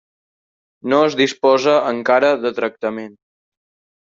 No es disposa encara de tractament.